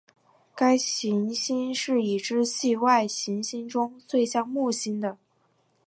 该行星是已知系外行星中最像木星的。